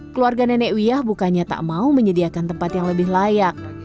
keluarga nenek wiyah bukannya tak mau menyediakan tempat yang lebih layak